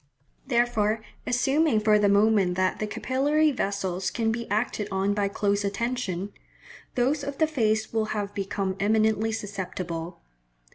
Therefore, assuming for the moment that the capillary vessels can be acted on by close attention, those of the face will have become eminently susceptible.